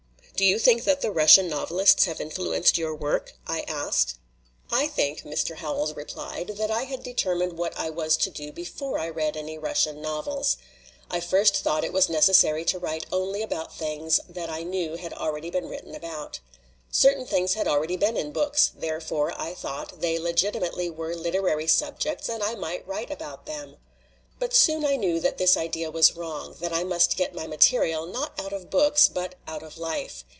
"Do you think that the Russian novelists have influenced your work?" I asked. "I think," Mr. Howells replied, "that I had determined what I was to do before I read any Russian novels. I first thought that it was necessary to write only about things that I knew had already been written about. Certain things had already been in books; therefore, I thought, they legitimately were literary subjects and I might write about them. "But soon I knew that this idea was wrong, that I must get my material, not out of books, but out of life.